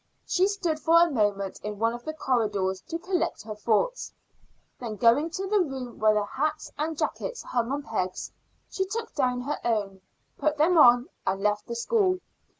She stood for a moment in one of the corridors to collect her thoughts; then going to the room where the hats and jackets hung on pegs, she took down her own, put them on, and left the school.